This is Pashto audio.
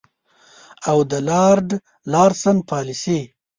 او د لارډ لارنس پالیسي.